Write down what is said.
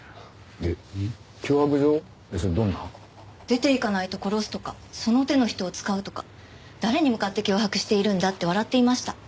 「出て行かないと殺す」とか「その手の人を使う」とか誰に向かって脅迫しているんだって笑っていました。